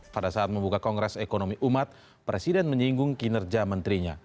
pada saat membuka kongres ekonomi umat presiden menyinggung kinerja menterinya